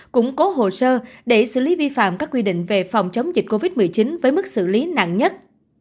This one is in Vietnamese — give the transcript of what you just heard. củng cố hồ sơ để xử lý vi phạm các quy định về phòng chống dịch covid một mươi chín với mức xử lý nặng nhất